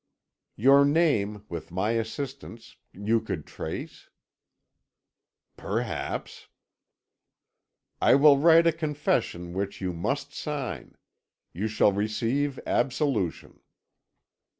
"Your name, with my assistance, you could trace?" "Perhaps." "I will write a confession which you must sign. Then you shall receive absolution."